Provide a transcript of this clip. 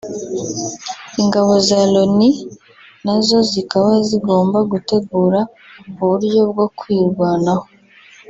ingabo za Loni nazo zikaba zigomba gutegura uburyo bwo kwirwanaho